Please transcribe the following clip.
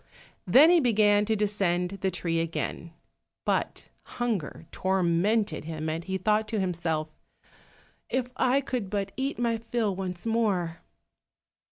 Then he began to descend the tree again, but hunger tormented him, and he thought to himself, "If I could but eat my fill once more!"